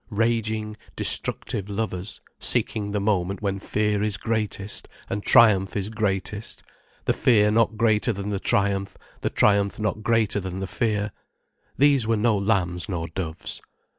Raging, destructive lovers, seeking the moment when fear is greatest, and triumph is greatest, the fear not greater than the triumph, the triumph not greater than the fear, these were no lambs nor doves.